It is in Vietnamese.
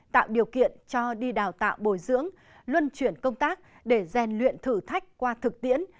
tạo điều kiện cho đi đào tạo bồi dưỡng luân chuyển công tác để rèn luyện thử thách qua thực tiễn